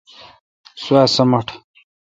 سوا سمٹ